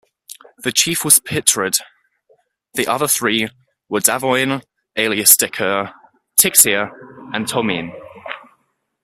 The chief was Pitrud, the other three were Davoine, alias "Decours," Tixier, and Tomine.